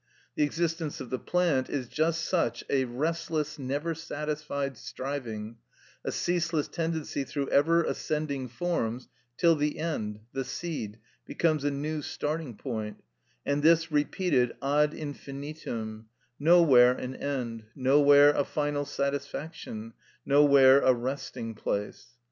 The existence of the plant is just such a restless, never satisfied striving, a ceaseless tendency through ever ascending forms, till the end, the seed, becomes a new starting point; and this repeated ad infinitum—nowhere an end, nowhere a final satisfaction, nowhere a resting place.